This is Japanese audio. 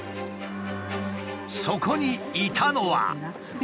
そこにいたのは。